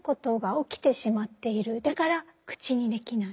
だから口にできない。